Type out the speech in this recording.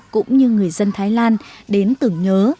cũng như người dân thái lan đến tưởng nhớ